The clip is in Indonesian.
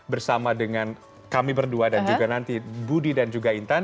bersama dengan kami berdua dan juga nanti budi dan juga intan